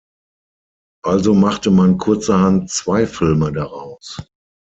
Also machte man kurzerhand zwei Filme daraus.